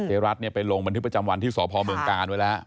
รัฐเนี่ยไปลงบันทึกประจำวันที่สพเมืองกาลไว้แล้ว